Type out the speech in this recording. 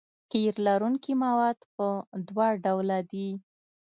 قیر لرونکي مواد په دوه ډوله دي